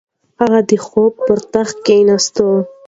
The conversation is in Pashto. هغه د خوب پر تخت کیناست.